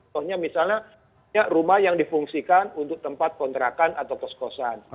contohnya misalnya rumah yang difungsikan untuk tempat kontrakan atau kos kosan